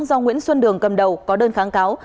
do nguyễn xuân đường cầm đầu có đơn kháng cáo